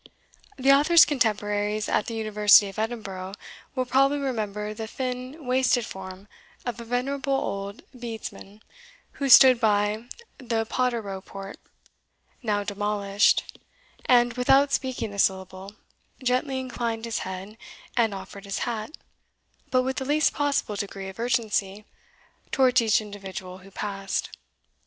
The author's contemporaries at the university of Edinburgh will probably remember the thin, wasted form of a venerable old Bedesman, who stood by the Potterrow Port, now demolished, and, without speaking a syllable, gently inclined his head, and offered his hat, but with the least possible degree of urgency, towards each individual who passed.